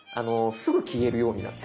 すぐ消えるようになる。